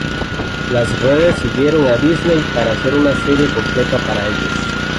Las redes siguieron a Disney para hacer una serie completa para ellos.